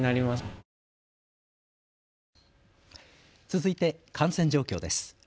続いて感染状況です。